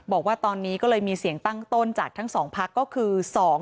บอกว่าตอนนี้ก็เลยมีเสียงตั้งต้นจากทั้ง๒พักก็คือ